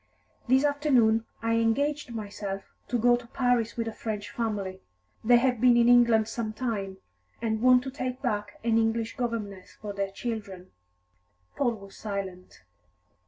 "This afternoon I engaged myself to go to Paris with a French family. They have been in England some time, and want to take back an English governess for their children." Paul was silent.